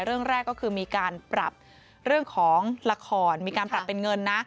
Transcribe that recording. เรื่องแรกก็คือมีการปรับเรื่องของละครมีการปรับเป็นเงินนะ